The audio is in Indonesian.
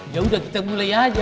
ya udah kita mulai aja